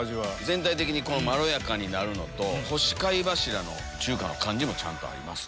全体的にまろやかになるのと干し貝柱の中華の感じもちゃんとあります。